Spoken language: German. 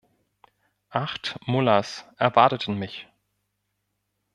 Acht Mullahs erwarteten mich.